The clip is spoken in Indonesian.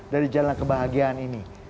dari jalan kebahagiaan ini